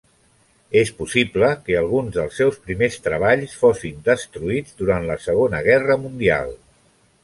És possible que alguns dels seus primers treballs fossin destruïts durant la Segona Guerra Mundial.